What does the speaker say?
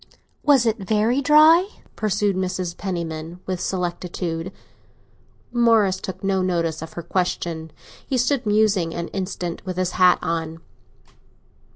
"Was it very dry?" pursued Mrs. Penniman, with solicitude. Morris took no notice of her question; he stood musing an instant, with his hat on.